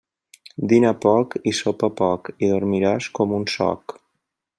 Dina poc i sopa poc i dormiràs com un soc.